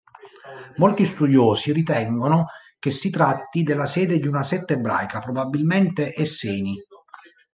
Molti studiosi ritengono che si tratti della sede di una setta ebraica, probabilmente Esseni.